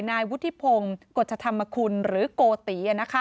นายวุฒิพงศ์กฎชธรรมคุณหรือโกติ